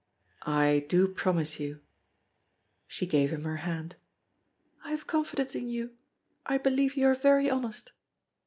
"I do promise you." She gave him her hand. "I have confidence in you. I believe you are very honest!"